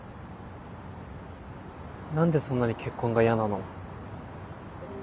何でそんなに結婚が嫌なの？